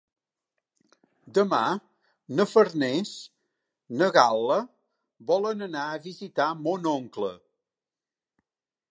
Demà na Farners i na Gal·la volen anar a visitar mon oncle.